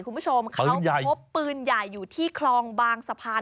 คุณผู้ชมเขาพบปืนใหญ่อยู่ที่คลองบางสะพาน